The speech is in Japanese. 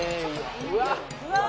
うわっ！